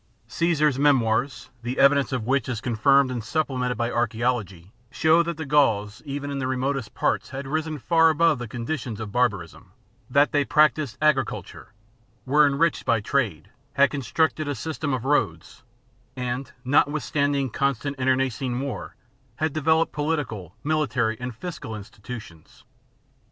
Caesar's memoirs, the evidence of which is confirmed and supplemented by archaeology, show that the Gauls, even in the remotest parts, had risen far above the condition of barbarism, that they practised agriculture, were enriched by trade, had constructed a system of roads, and, notwithstanding constant internecine war, had developed political, military, and fiscal institu tions.